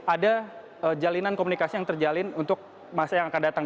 ada jalinan komunikasi yang terjalin untuk masa yang akan datang